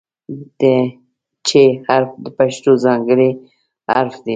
د "چ" حرف د پښتو ځانګړی حرف دی.